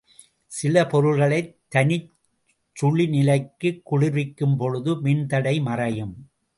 சில பொருள்களைத் தனிச்சுழிநிலைக்குக் குளிர்விக்கும் பொழுது மின்தடை மறையும்.